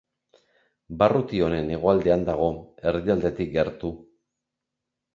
Barruti honen hegoaldean dago, erdialdetik gertu.